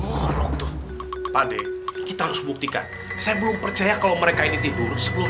ngorok ngorok tuh pade kita harus buktikan saya belum percaya kalau mereka ini tidur sebelum